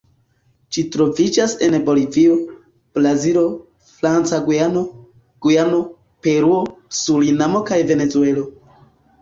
Ĝi troviĝas en Bolivio, Brazilo, Franca Gujano, Gujano, Peruo, Surinamo kaj Venezuelo.